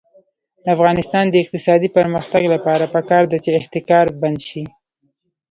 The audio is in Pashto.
د افغانستان د اقتصادي پرمختګ لپاره پکار ده چې احتکار بند شي.